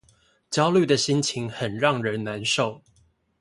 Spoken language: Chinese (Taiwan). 焦慮的心情很讓人難受